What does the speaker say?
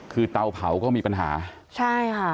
คือเตาเผาก็มีปัญหาใช่ค่ะ